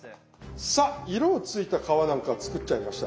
さあ色ついた皮なんか作っちゃいました。